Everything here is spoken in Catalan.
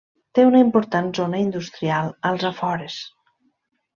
Té una important zona industrial als afores.